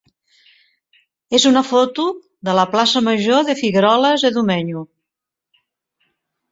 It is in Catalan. és una foto de la plaça major de Figueroles de Domenyo.